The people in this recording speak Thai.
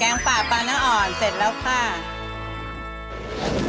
งป่าปลาน้ำอ่อนเสร็จแล้วค่ะ